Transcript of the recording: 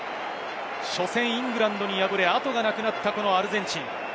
初戦イングランドに敗れ、後がなくなったアルゼンチン。